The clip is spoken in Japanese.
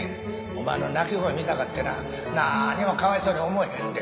お前の泣き声見たかってな何にもかわいそうに思わへんで。